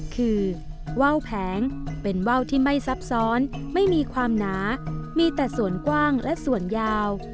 คือว่าวแผงเป็นว่าวที่ไม่ซับซ้อนไม่มีความหนามีแต่ส่วนกว้างและส่วนยาว